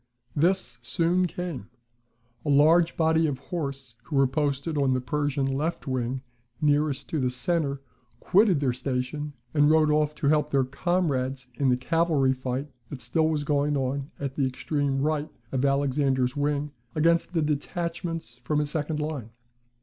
This soon came. A large body of horse, who were posted on the Persian left wing nearest to the centre, quitted their station, and rode off to help their comrades in the cavalry fight that still was going on at the extreme right of Alexander's wing against the detachments from his second line.